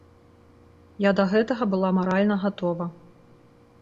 Я да гэтага была маральна гатова.